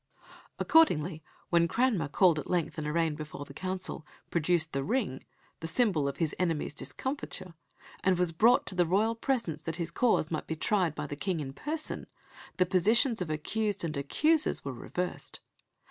Accordingly when Cranmer, called at length and arraigned before the Council, produced the ring the symbol of his enemies' discomfiture and was brought to the royal presence that his cause might be tried by the King in person, the positions of accused and accusers were reversed.